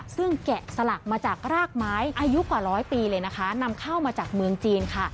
ซึ่งแกะสลักมาจากรากไม้อายุกว่าร้อยปีเลยนะคะนำเข้ามาจากเมืองจีนค่ะ